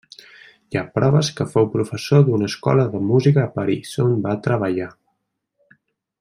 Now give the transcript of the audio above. Hi ha proves que fou professor d'una escola de música a París on va treballar.